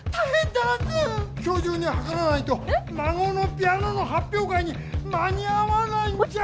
今日中にはからないとまごのピアノのはっぴょう会に間に合わないんじゃ！